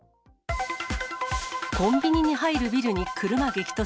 コンビニに入るビルに車激突。